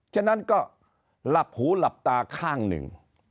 ฉะนั้นก็หลับหูหลับตาข้างหนึ่ง